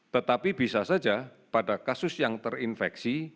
tetapi bisa saja pada kasus yang terinfeksi